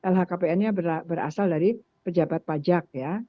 lhkpn nya berasal dari pejabat pajak ya